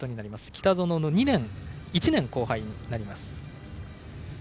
北園の１年後輩になります。